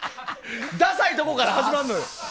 ダサいとこから始まるのよ。